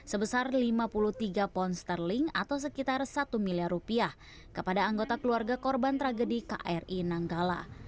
sebesar lima puluh tiga pound sterling atau sekitar satu miliar rupiah kepada anggota keluarga korban tragedi kri nanggala